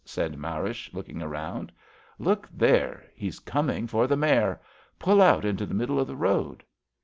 '* said Marish, looking round. V* Look there I He's coming for the mare ! Pull out into the middle of the road."